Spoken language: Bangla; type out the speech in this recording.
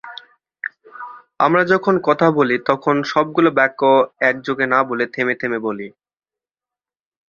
আমরা যখন কথা বলি তখন সবগুলো বাক্য একযোগে না বলে থেমে থেমে বলি।